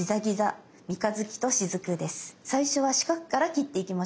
最初は四角から切っていきましょう。